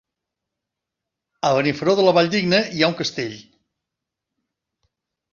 A Benifairó de la Valldigna hi ha un castell?